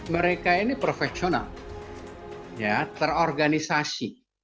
mereka ini profesional terorganisasi